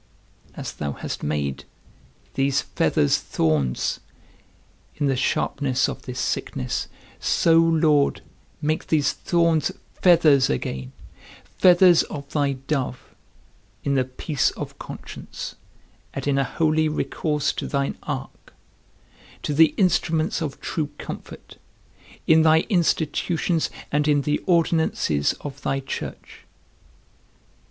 As thou hast made these feathers thorns, in the sharpness of this sickness, so, Lord, make these thorns feathers again, feathers of thy dove, in the peace of conscience, and in a holy recourse to thine ark, to the instruments of true comfort, in thy institutions and in the ordinances of thy church.